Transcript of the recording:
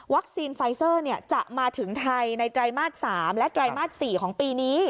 ไฟเซอร์จะมาถึงไทยในไตรมาส๓และไตรมาส๔ของปีนี้